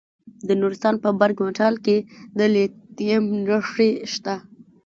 د نورستان په برګ مټال کې د لیتیم نښې شته.